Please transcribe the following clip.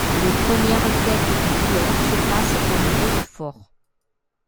Les premières quêtes du joueur se passent au niveau du fort.